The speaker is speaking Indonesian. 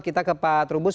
kita ke pak trubus